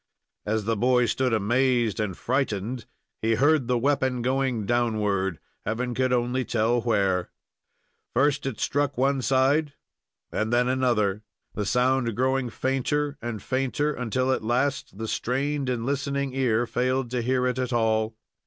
As the boy stood amazed and frightened, he heard the weapon going downward, Heaven could only tell where. First it struck one side, and then another, the sound growing fainter and fainter, until at last the strained and listening ear failed to hear it at all.